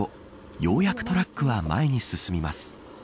ようやくトラックは前に進みます。